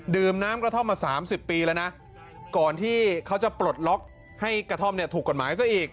น้ำกระท่อมมา๓๐ปีแล้วนะก่อนที่เขาจะปลดล็อกให้กระท่อมเนี่ยถูกกฎหมายซะอีก